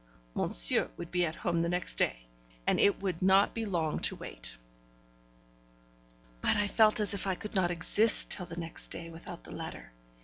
Monsieur would be at home the next day, and it would not be long to wait. But I felt as if I could not exist till the next day, without the letter.